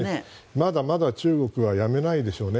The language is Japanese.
まだまだ中国はやめないでしょうね。